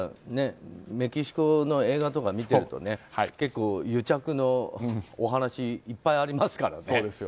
メキシコの映画とか見ていると結構、癒着のお話いっぱいありますからね。